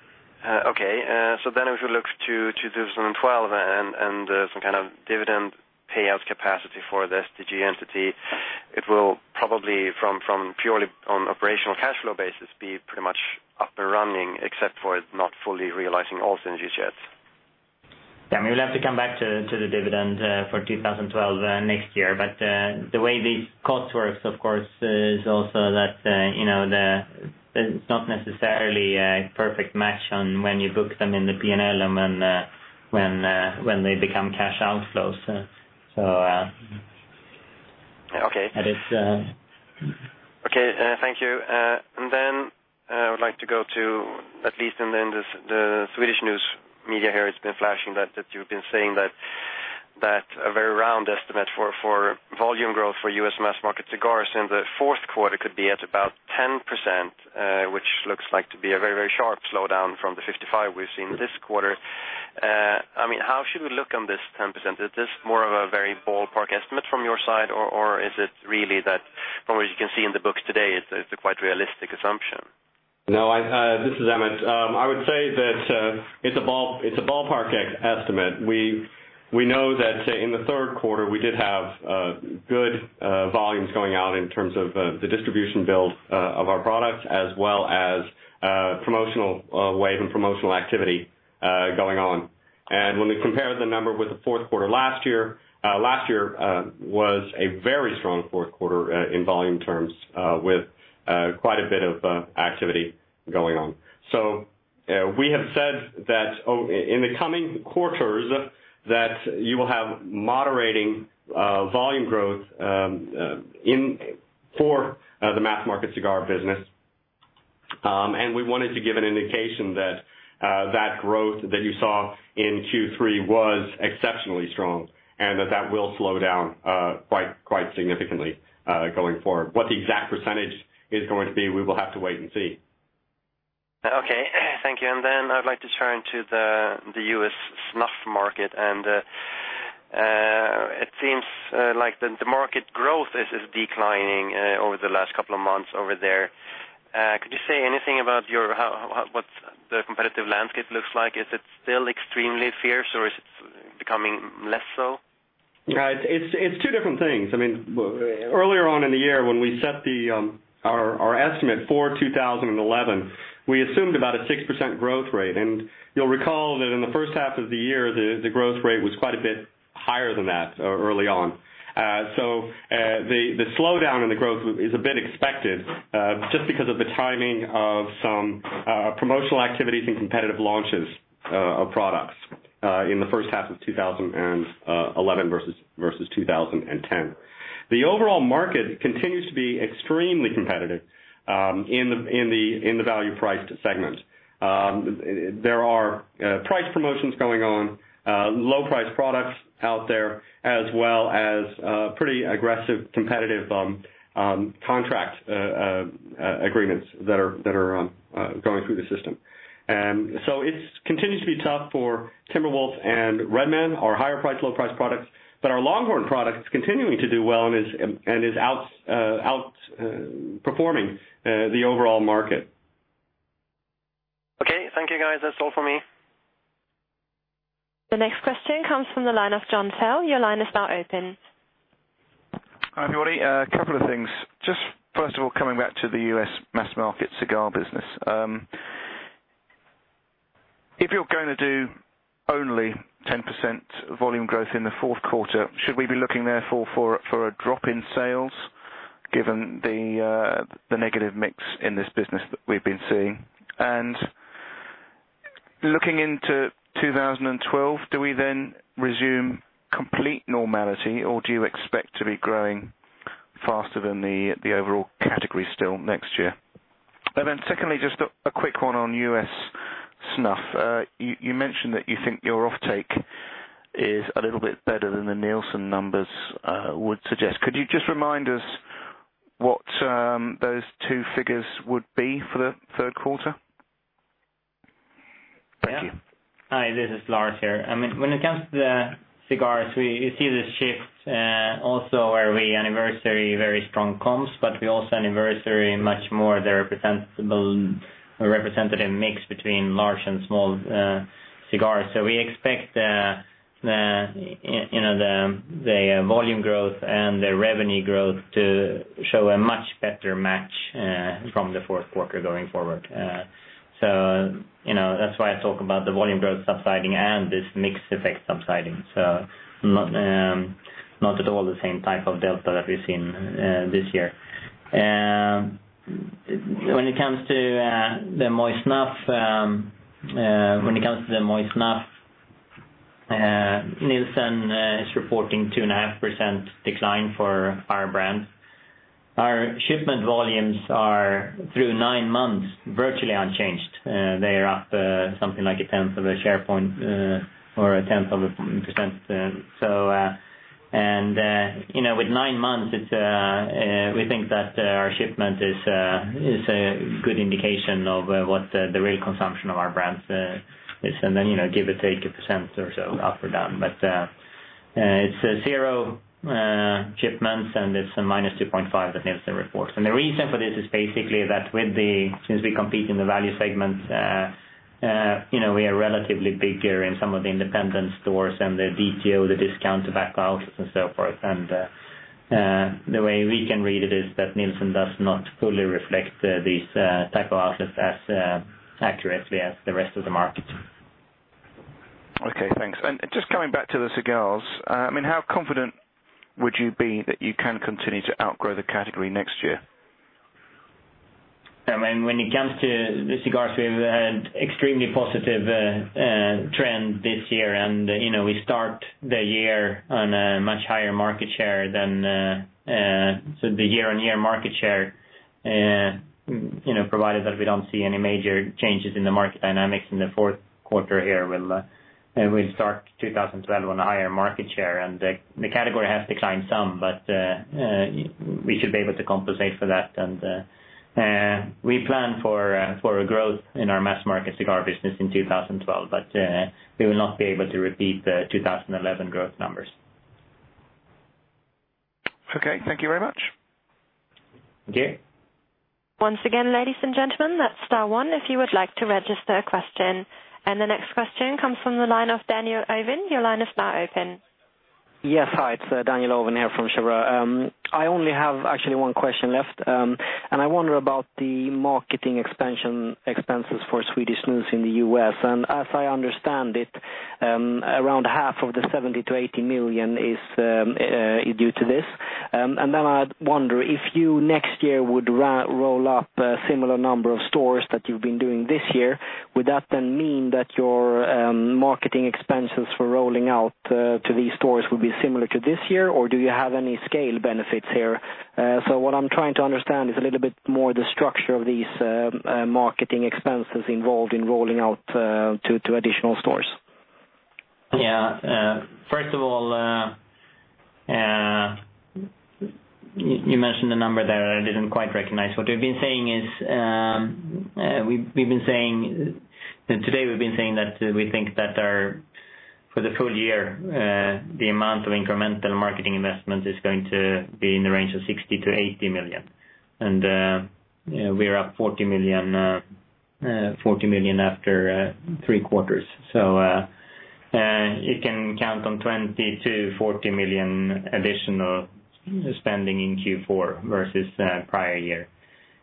Okay. If we look to 2012 and some kind of dividend payout capacity for the STG entity, it will probably, from purely an operational cash flow basis, be pretty much up and running, except for not fully realizing all synergies yet. Yeah, I mean, we'll have to come back to the dividend for 2012 next year. The way these costs work, of course, is also that it's not necessarily a perfect match when you book them in the P&L and when they become cash outflows. Okay, thank you. I would like to go to, at least in the Swedish news media here, it's been flashing that you've been saying that a very round estimate for volume growth for U.S. mass market cigars in the fourth quarter could be at about 10%, which looks like to be a very, very sharp slowdown from the 55% we've seen this quarter. I mean, how should we look on this 10%? Is this more of a very ballpark estimate from your side, or is it really that from what you can see in the books today, it's a quite realistic assumption? No, this is Emmett. I would say that it's a ballpark estimate. We know that in the third quarter, we did have good volumes going out in terms of the distribution build of our products, as well as a promotional wave and promotional activity going on. When we compare the number with the fourth quarter last year, last year was a very strong fourth quarter in volume terms with quite a bit of activity going on. We have said that in the coming quarters, you will have moderating volume growth for the mass market cigar business. We wanted to give an indication that that growth that you saw in Q3 was exceptionally strong and that that will slow down quite significantly going forward. What the exact percentage is going to be, we will have to wait and see. Thank you. I'd like to turn to the U.S. Snus market. It seems like the market growth is declining over the last couple of months over there. Could you say anything about what the competitive landscape looks like? Is it still extremely fierce or is it becoming less so? Yeah, it's two different things. I mean, earlier on in the year, when we set our estimate for 2011, we assumed about a 6% growth rate. You'll recall that in the first half of the year, the growth rate was quite a bit higher than that early on. The slowdown in the growth is a bit expected just because of the timing of some promotional activities and competitive launches of products in the first half of 2011 versus 2010. The overall market continues to be extremely competitive in the value-priced segment. There are price promotions going on, low-price products out there, as well as pretty aggressive competitive contract agreements that are going through the system. It continues to be tough for Timber Wolf and Red Man, our higher-priced, low-priced products. Our Longhorn product is continuing to do well and is outperforming the overall market. Okay, thank you, guys. That's all for me. The next question comes from the line of Jon Fell. Your line is now open. Hi, everybody. A couple of things. First of all, coming back to the U.S. mass market cigar business, if you're going to do only 10% volume growth in the fourth quarter, should we be looking therefore for a drop in sales given the negative mix in this business that we've been seeing? Looking into 2012, do we then resume complete normality, or do you expect to be growing faster than the overall category still next year? Secondly, just a quick one on U.S. Snuff. You mentioned that you think your offtake is a little bit better than the Nielsen numbers would suggest. Could you just remind us what those two figures would be for the third quarter? Hi, this is Lars here. When it comes to the cigars, we see this shift also where we anniversary very strong comps, but we also anniversary much more the representative mix between large and small cigars. We expect the volume growth and the revenue growth to show a much better match from the fourth quarter going forward. That's why I talk about the volume growth subsiding and this mix effect subsiding. Not at all the same type of delta that we've seen this year. When it comes to the moist Snuff, Nielsen is reporting a 2.5% decline for our brand. Our shipment volumes are through nine months virtually unchanged. They are up something like a tenth of a share point or a tenth of a percent. With nine months, we think that our shipment is a good indication of what the real consumption of our brand is, and then give or take a percent or so up or down. It's zero shipments and it's a -2.5% that Nielsen reports. The reason for this is basically that since we compete in the value segment, we are relatively bigger in some of the independent stores and the DTO, the discount tobacco outlets and so forth. The way we can read it is that Nielsen does not fully reflect these types of outlets as accurately as the rest of the markets. Okay, thanks. Just coming back to the cigars, I mean, how confident would you be that you can continue to outgrow the category next year? I mean, when it comes to the cigars, we have an extremely positive trend this year. We start the year on a much higher market share than the year-on-year market share, provided that we don't see any major changes in the market dynamics in the fourth quarter here. We'll start 2012 on a higher market share. The category has declined some, but we should be able to compensate for that. We plan for a growth in our mass market cigar business in 2012, but we will not be able to repeat the 2011 growth numbers. Okay, thank you very much. Thank you. Once again, ladies and gentlemen, that's star one if you would like to register a question. The next question comes from the line of Daniel Ovin. Your line is now open. Yes, hi. It's Daniel Owen here from Cheuvreux. I only have actually one question left. I wonder about the marketing expenses for Swedish Match Snus in the U.S. As I understand it, around half of the $70 million - $80 million is due to this. I wonder if you next year would roll up a similar number of stores that you've been doing this year, would that then mean that your marketing expenses for rolling out to these stores would be similar to this year, or do you have any scale benefits here? What I'm trying to understand is a little bit more the structure of these marketing expenses involved in rolling out to additional stores. First of all, you mentioned a number there that I didn't quite recognize. What we've been saying is today we've been saying that we think that for the full year, the amount of incremental marketing investment is going to be in the range of $60 million - $80 million. We're up $40 million after three quarters. You can count on $20 million - $40 million additional spending in Q4 versus prior year.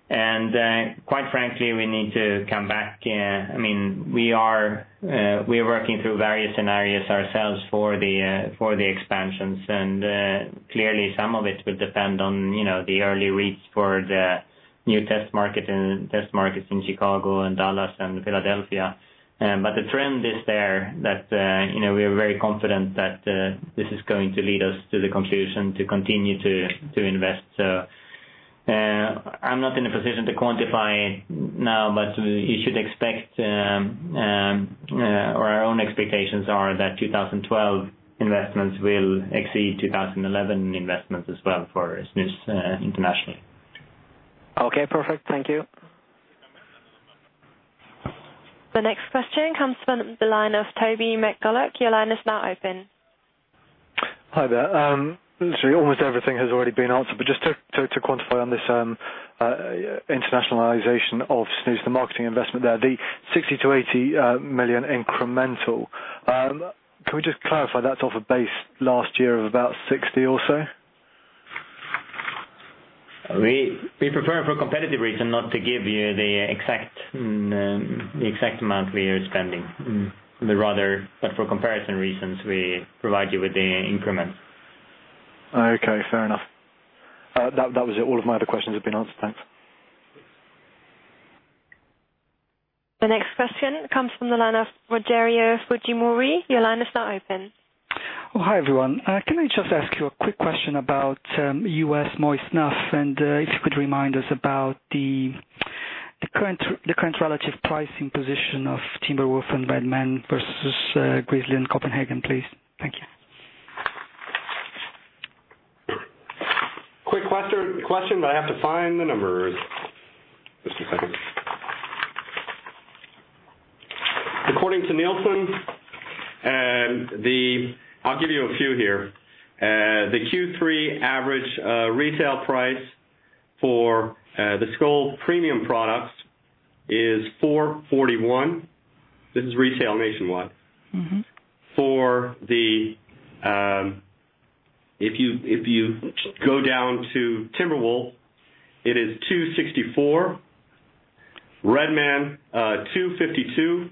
Quite frankly, we need to come back. We are working through various scenarios ourselves for the expansions. Clearly, some of it will depend on the early reads for the new test markets in Chicago, Dallas, and Philadelphia. The trend is there that we're very confident that this is going to lead us to the conclusion to continue to invest. I'm not in a position to quantify it now, but you should expect, or our own expectations are, that 2012 investments will exceed 2011 investments as well for us internationally. Okay, perfect. Thank you. The next question comes from the line of Toby McCullagh. Your line is now open. Hi, there. Sorry, almost everything has already been answered, but just to quantify on this internationalization of Snus, the marketing investment there, the $60 million - $80 million incremental. Can we just clarify that's off a base last year of about $60 million or so? We prepare for a competitive reason not to give you the exact amount we are spending. For comparison reasons, we provide you with the increments. Okay, fair enough. That was it. All of my other questions have been answered. Thanks. The next question comes from the line of Rogerio Fujimori. Your line is now open. Oh, hi everyone. Can I just ask you a quick question about U.S. moist Snuff and if you could remind us about the current relative pricing position of Timber Wolf and Red Man versus Grizzly and Copenhagen, please? Thank you. Quick question, I have to find the number. Just a second. According to Nielsen, I'll give you a few here. The Q3 average retail price for the Skoal premium product is $4.41. This is retail nationwide. If you go down to Timberwolf, it is $2.64. Redman, $2.52.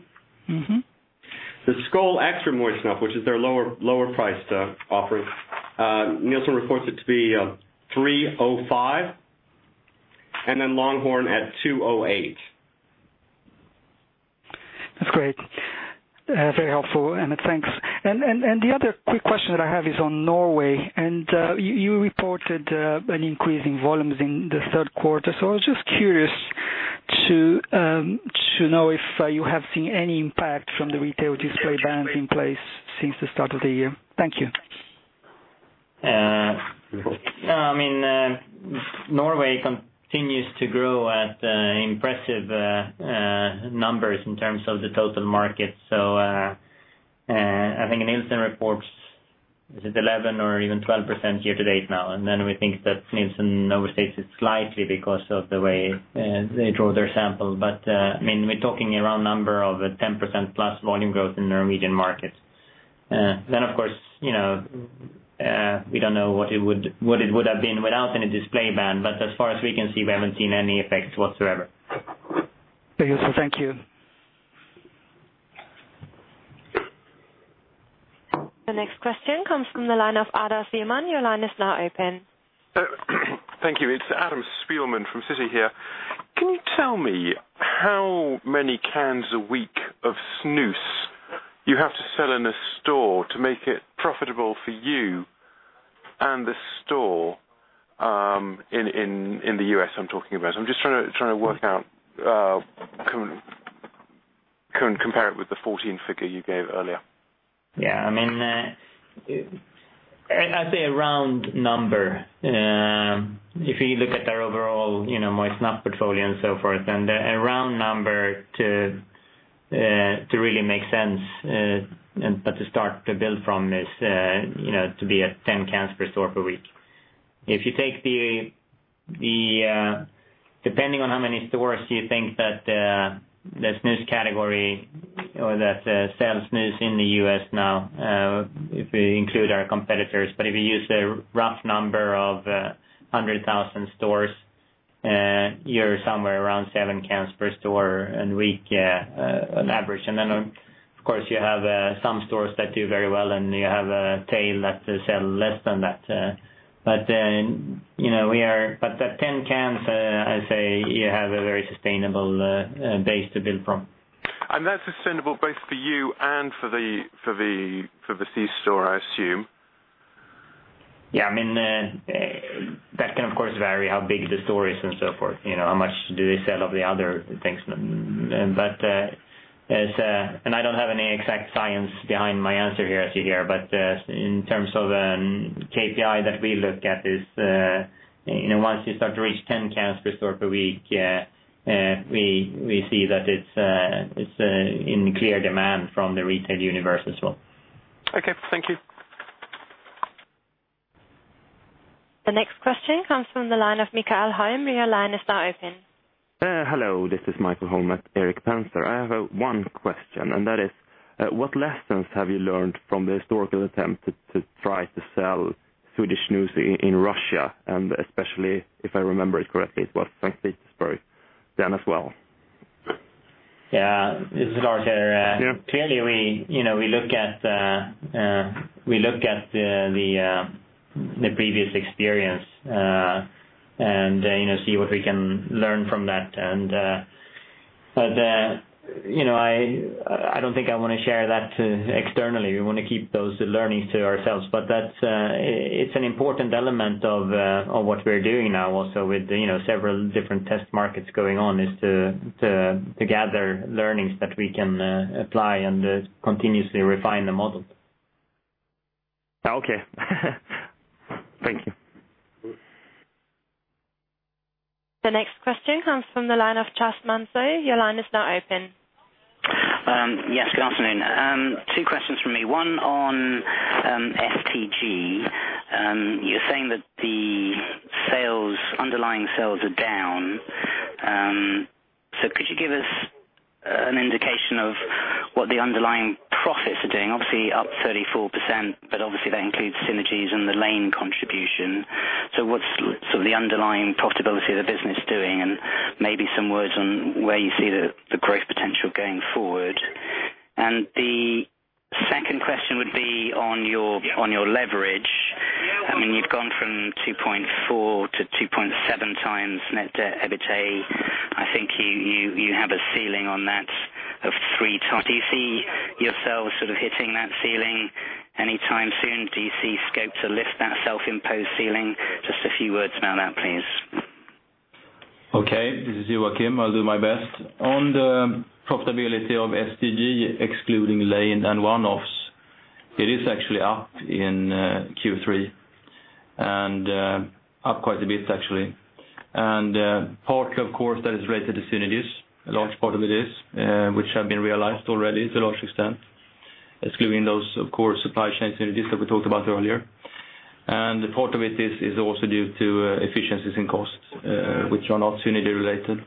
The Skoal Extra Moist Snuff, which is their lower priced offering, Nielsen reports it to be $3.05. Longhorn at $2.08. That's great. Very helpful. Thanks. The other quick question that I have is on Norway. You reported an increase in volumes in the third quarter. I was just curious to know if you have seen any impact from the retail display bans in place since the start of the year. Thank you. Norway continues to grow at impressive numbers in terms of the total market. I think Nielsen reports, is it 11% or even 12% year to date now? We think that Nielsen overstates it slightly because of the way they draw their sample. We're talking around a number of 10% + volume growth in the Norwegian market. Of course, we don't know what it would have been without any display ban. As far as we can see, we haven't seen any effects whatsoever. Very useful. Thank you. The next question comes from the line of Adam Spielman. Your line is now open. Thank you. It's Adam Spielman from Citi here. Can you tell me how many cans a week of Snus you have to sell in a store to make it profitable for you and the store in the U.S. I'm talking about? I'm just trying to work out, can we compare it with the 14 figure you gave earlier? Yeah, I mean, I'd say a round number. If you look at their overall moist Snuff portfolio and so forth, then the round number to really make sense and to start to build from is to be at 10 cans per store per week. If you take the, depending on how many stores you think that the Snus category or that sells Snus in the U.S. now, if we include our competitors, but if you use a rough number of 100,000 stores, you're somewhere around seven cans per store a week on average. Of course, you have some stores that do very well and you have a tail that sells less than that. That 10 cans, I'd say you have a very sustainable base to build from. That's sustainable both for you and for the C store, I assume. Yeah, I mean, that can, of course, vary how big the store is and so forth. You know, how much do they sell of the other things? I don't have any exact science behind my answer here as you hear, but in terms of a KPI that we look at, once you start to reach 10 cans per store per week, we see that it's in clear demand from the retail universe as well. Okay, thank you. The next question comes from the line of Mikael Holm. Your line is now open. Hello, this is Michael Holm at Erik Penser. I have one question, and that is, what lessons have you learned from the historical attempt to try to sell Swedish Match Snus in Russia? Especially, if I remember it correctly, it was St. Petersburg then as well. Yeah, this is Lars here. Clearly, we look at the previous experience and see what we can learn from that. I don't think I want to share that externally. We want to keep those learnings to ourselves. It's an important element of what we're doing now also with several different test markets going on, to gather learnings that we can apply and continuously refine the model. Okay, thank you. The next question comes from the line of Chas Manso. Your line is now open. Yes, good afternoon. Two questions from me. One on STG. You're saying that the underlying sales are down. Could you give us an indication of what the underlying profits are doing? Obviously, up 34%, but that includes synergies and the Lane contribution. What's sort of the underlying profitability of the business doing? Maybe some words on where you see the growth potential going forward. The second question would be on your leverage. You've gone from 2.4x to 2.7x net Debt-to-EBITDA. I think you have a ceiling on that of three times. Do you see yourselves hitting that ceiling anytime soon? Do you see scope to lift that self-imposed ceiling? Just a few words about that, please. Okay, this is Joakim. I'll do my best. On the profitability of STG, excluding Lane and one-offs, it is actually up in Q3 and up quite a bit, actually. Partly, of course, that is related to synergies, a large part of it is, which have been realized already to a large extent, excluding those, of course, supply chain synergies that we talked about earlier. Part of it is also due to efficiencies in cost, which are not synergy related.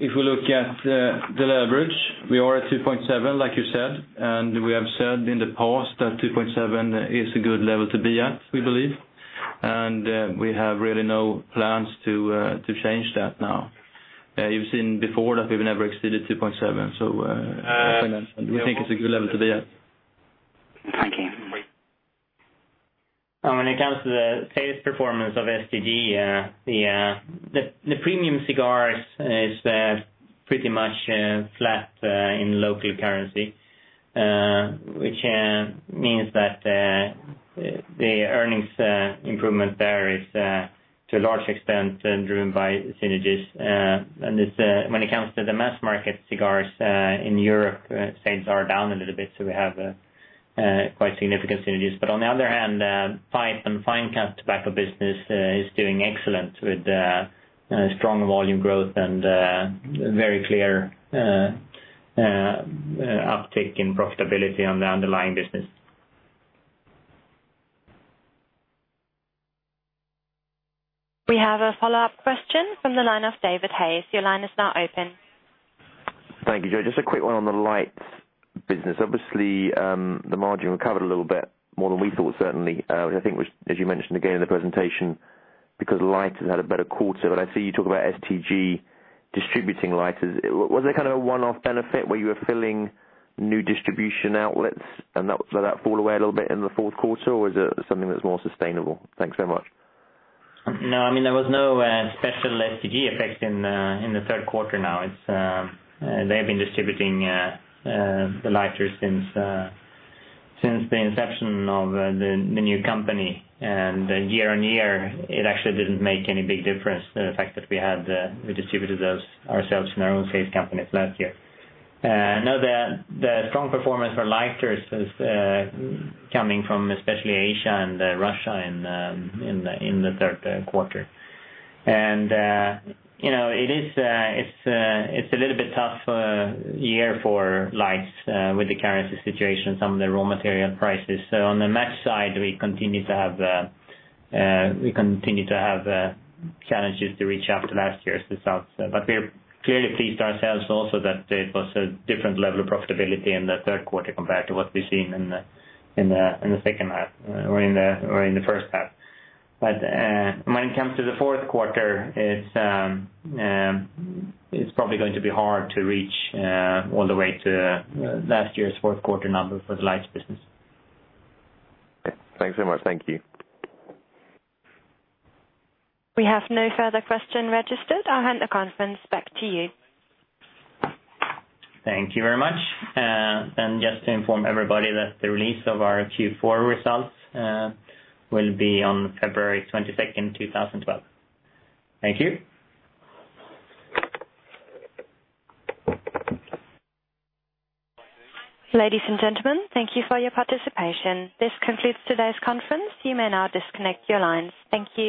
If we look at the leverage, we are at 2.7, like you said. We have said in the past that 2.7 is a good level to be at, we believe. We have really no plans to change that now. You've seen before that we've never exceeded 2.7. We think it's a good level to be at. When it comes to the sales performance of STG the premium cigars is pretty much flat in local currency, which means that the earnings improvement there is to a large extent driven by synergies. When it comes to the mass market cigars in Europe, sales are down a little bit. We have quite significant synergies. On the other hand, the fine-cut to pipe business is doing excellent with strong volume growth and very clear uptake in profitability on the underlying business. We have a follow-up question from the line of David Hayes. Your line is now open. Thank you, Joe. Just a quick one on the lighters business. Obviously, the margin recovered a little bit more than we thought, certainly, which I think was, as you mentioned again in the presentation, because lighters have had a better quarter. I see you talk about Scandinavian Tobacco Group distributing lighters. Was there kind of a one-off benefit where you were filling new distribution outlets? Did that fall away a little bit in the fourth quarter, or is it something that's more sustainable? Thanks very much. No, I mean, there was no special STG effect in the third quarter now. They have been distributing the lighters since the inception of the new company. Year on year, it actually didn't make any big difference, the fact that we distributed those ourselves in our own sales companies last year. The strong performance for lighters is coming from especially Asia and Russia in the third quarter. It's a little bit tough year for lighters with the currency situation and some of the raw material prices. On the match side, we continue to have challenges to reach after last year's results. We're clearly pleased ourselves also that it was a different level of profitability in the third quarter compared to what we've seen in the second half or in the first half. When it comes to the fourth quarter, it's probably going to be hard to reach all the way to last year's fourth quarter numbers for the lighters business. Thanks very much. Thank you. We have no further questions registered. I'll hand the conference back to you. Thank you very much. Just to inform everybody, the release of our Q4 results will be on February 22, 2012. Thank you. Ladies and gentlemen, thank you for your participation. This concludes today's conference. You may now disconnect your lines. Thank you.